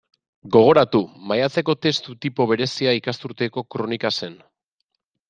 Gogoratu; maiatzeko testu tipo berezia ikasturteko kronika zen.